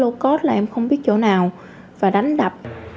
một cái lô cót là em không biết chỗ nào và đánh đập